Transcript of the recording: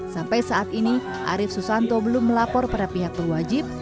sampai saat ini arief susanto belum melapor pada pihak berwajib